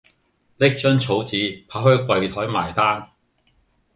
拎張草紙跑去櫃枱埋單